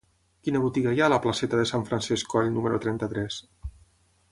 Quina botiga hi ha a la placeta de Sant Francesc Coll número trenta-tres?